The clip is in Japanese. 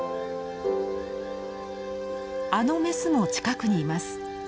あのメスも近くにいます。